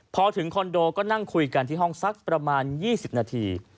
พอถึงคอนโดก็นั่งคุยกันที่ห้องสักประมาณ๒๐นาที